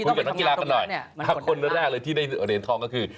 คุยกับทางกีฬากันหน่อยคนแรกเลยที่ได้เรียนทองก็คือ